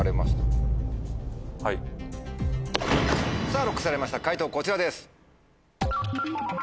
さぁＬＯＣＫされました解答こちらです。